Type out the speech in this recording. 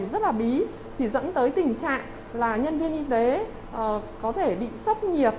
rất là bí thì dẫn tới tình trạng là nhân viên y tế có thể bị sốc nhiệt